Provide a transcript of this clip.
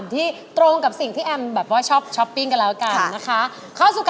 มันชื่อเพลง